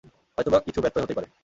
হয়তোবা কিছু ব্যতয় হতেই পারে।